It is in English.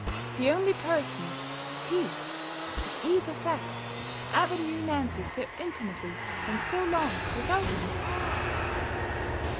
The only person, he, of either sex, that ever knew Nancy so intimately, and so long, without one!